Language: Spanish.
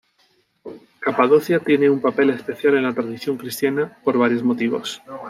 Capadocia tiene un papel especial en la tradición cristiana por varios motivos.